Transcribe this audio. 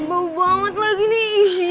bau banget lagi nih